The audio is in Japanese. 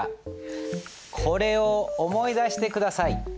これを思い出して下さい。